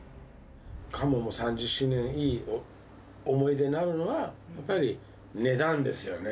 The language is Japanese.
花門の３０周年のいい思い出になるのは、やっぱり値段ですよね。